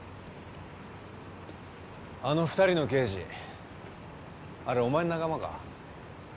あの２人の刑事あれお前の仲間か？